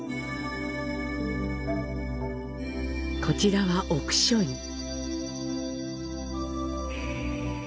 こちらは奥書院。